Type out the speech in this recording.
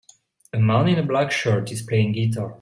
A man in a black shirt is playing guitar.